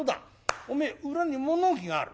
おめえ裏に物置がある。